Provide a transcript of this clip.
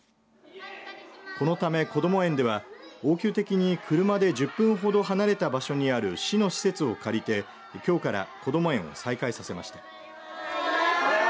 このため、こども園では応急的に車で１０分ほど離れた場所にある市の施設を借りてきょうからこども園を再開させました。